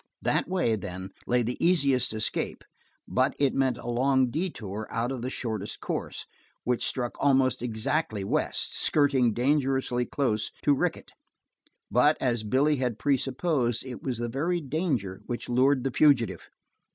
That way, then, lay the easiest escape, but it meant a long detour out of the shortest course, which struck almost exactly west, skirting dangerously close to Rickett. But, as Billy had presupposed, it was the very danger which lured the fugitive.